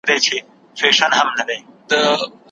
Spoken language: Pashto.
او رنګینو ګلونو وطن دی